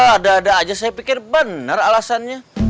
ada ada aja saya pikir benar alasannya